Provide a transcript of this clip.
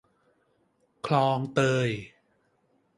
คลองเตย